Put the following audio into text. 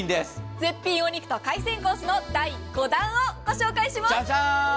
絶品お肉と海鮮コースの第５弾をお届けします。